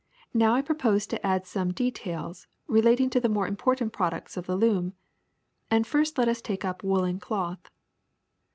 Now I propose to add some de tails relating to the more important products of the loom. And first let us take up woolen cloth.